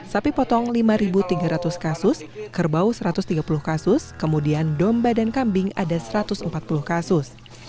sapi potong lima tiga ratus kasus kerbau satu ratus tiga puluh kasus kemudian domba dan kambing ada satu ratus empat puluh kasus